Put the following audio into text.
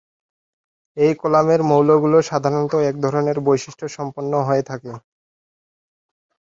একই কলামের মৌলগুলো সাধারণত একই ধরনের বৈশিষ্ট সম্পন্ন হয়ে থাকে।